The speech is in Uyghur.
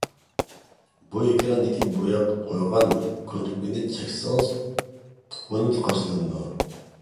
بۇ ئېكراندىكى بوياپ قويغان كۇنۇپكىنى چەكسىڭىز فونت قاچىلىنىدۇ.